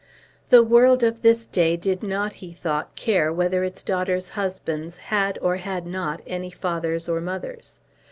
The world of this day did not, he thought, care whether its daughters' husbands had or had not any fathers or mothers.